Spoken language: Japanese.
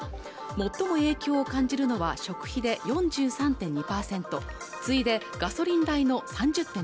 最も影響を感じるのは食費で４３．２％次いでガソリン代の３０．６％